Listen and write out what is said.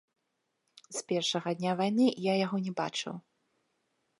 З першага дня вайны я яго не бачыў.